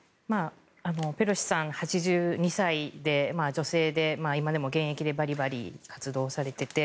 ペロシさん、８２歳で女性で今でも現役でバリバリ活動されていて